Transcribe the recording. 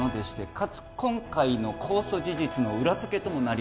かつ今回の公訴事実の裏付けともなり